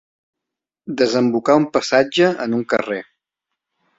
Desembocar un passatge en un carrer.